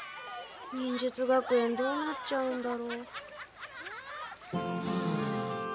忍術学園どうなっちゃうんだろう。